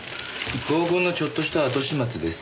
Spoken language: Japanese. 合コンのちょっとした後始末です。